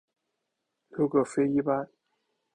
六各飞一班。